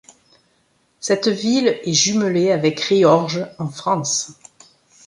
Cette ville est jumelée avec Riorges en France.